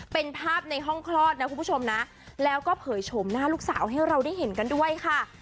เป็นภาพในห้องคลอดนะคุณผู้ชมนะแล้วก็เผยโฉมหน้าลูกสาวให้เราได้เห็นกันด้วยค่ะ